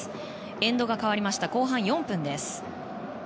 エンドが変わりました後半４分です。